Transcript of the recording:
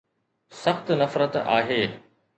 سخت نفرت آهي